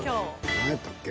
何やったっけ？